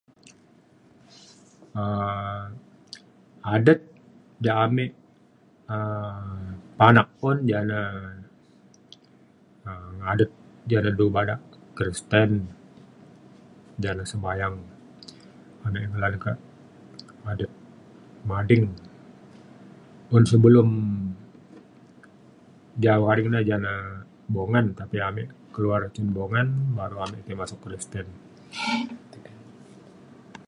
um adet ja ame um panak un ja le ngadet ja da du bada Kristian ja le sembahyang ame kak adet mading. un sebelum [unintelligible] ja na Bungan tapi ame keluar cin Bungan baru ame tai masek Kristian.